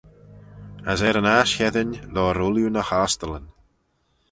As er yn aght cheddin loayr ooilley ny h-ostyllyn.